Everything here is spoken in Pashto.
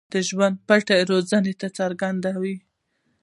د ژوند پټ رازونه راته څرګندوي.